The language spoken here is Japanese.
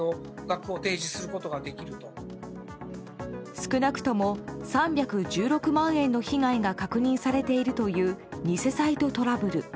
少なくとも３１６万円の被害が確認されているという偽サイトトラブル。